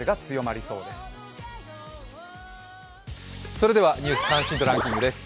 それでは、「ニュース関心度ランキング」です。